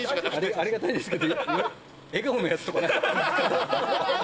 ありがたいですけど。